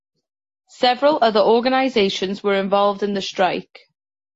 Several other organisations were involved in the strike.